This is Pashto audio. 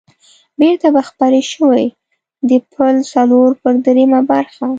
بېرته به خپرې شوې، د پل څلور پر درېمه برخه.